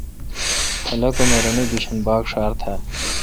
خلق ام اے رنے بھیشن بھاگ ڄھار تھال۔